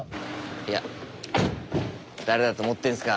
いや誰だと思ってんすか。